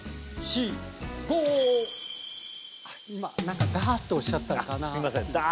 今なんか「ダー！」っておっしゃったかなあ。